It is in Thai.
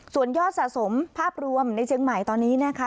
ส่วนยอดสะสมภาพรวมในเชียงใหม่ตอนนี้นะคะ